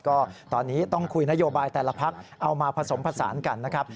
ก็ตอนนี้ต้องคุยนโยบายแต่ละพักเอามาผสมผสานกันนะครับ